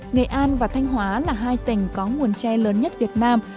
nghệ an và thanh hóa là hai tỉnh có nguồn che lớn nhất việt nam